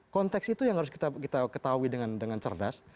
konteks itu yang harus kita ketahui dengan cerdas